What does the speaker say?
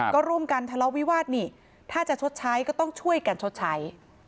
ก็ร่วมกันทะเลาะวิวาสนี่ถ้าจะชดใช้ก็ต้องช่วยกันชดใช้